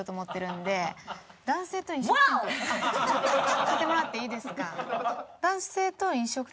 聞いてもらっていいですか？